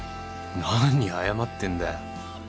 何謝ってんだよ。